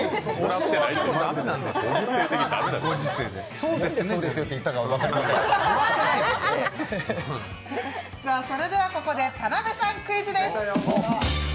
そうですよね、来てないですそれではここで田辺さんクイズです。